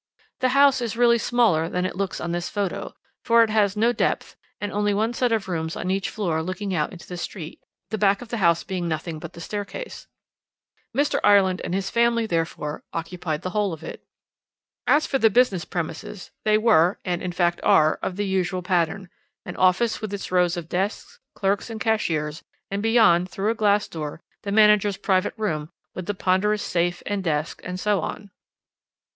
The house is really smaller than it looks on this photo, for it has no depth, and only one set of rooms on each floor looking out into the street, the back of the house being nothing but the staircase. Mr. Ireland and his family, therefore, occupied the whole of it. "As for the business premises, they were, and, in fact, are, of the usual pattern; an office with its rows of desks, clerks, and cashiers, and beyond, through a glass door, the manager's private room, with the ponderous safe, and desk, and so on.